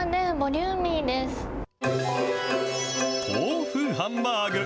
豆腐ハンバーグ。